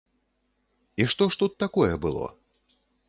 І што ж тут такое было?